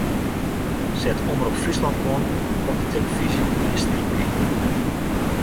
Set Omrop Fryslân oan op de tillefyzje yn 'e sliepkeamer.